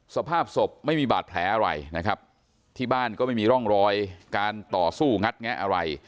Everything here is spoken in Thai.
สภาพศพไม่มีบาดแผลอะไรนะครับที่บ้านก็ไม่มีร่องรอยการต่อสู้งัดแงะอะไร